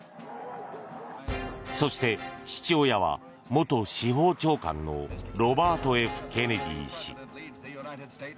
そして、父親は元司法長官のロバート・Ｆ・ケネディ氏。